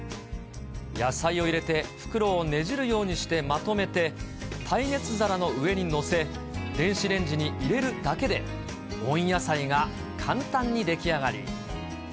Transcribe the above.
野菜を入れて袋をねじるようにしてまとめて耐熱皿の上に載せ、電子レンジに入れるだけで、温野菜が簡単に出来上がり。